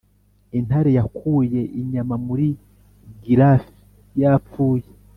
intare yakuye inyama muri giraffe yapfuye.